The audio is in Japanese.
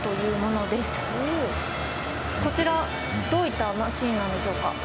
こちらどういったマシンなんでしょうか？